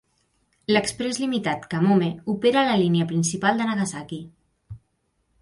L'exprés limitat "Kamome" opera a la línia principal de Nagasaki.